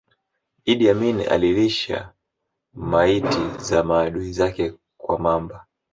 Idi Amin alilisha maiti za maadui zake kwa mamba